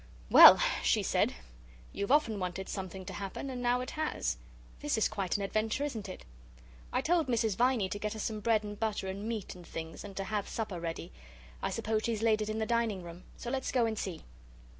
"Well," she said, "you've often wanted something to happen and now it has. This is quite an adventure, isn't it? I told Mrs. Viney to get us some bread and butter, and meat and things, and to have supper ready. I suppose she's laid it in the dining room. So let's go and see."